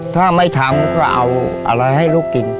ถ้าไม่ทำก็เอาอะไรให้ลูกกิน